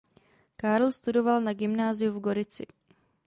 Carl studoval na gymnáziu v Gorici.